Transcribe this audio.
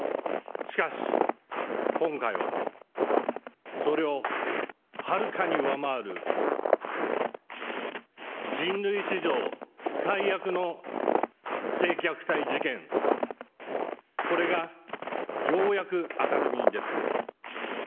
しかし、今回はそれをはるかに上回る人類史上最悪の性虐待事件これがようやく明るみに出た。